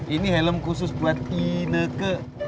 ini helm khusus buat i nek